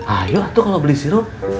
ayo tuh kalau beli sirup